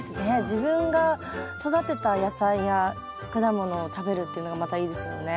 自分が育てた野菜や果物を食べるっていうのがまたいいですもんね。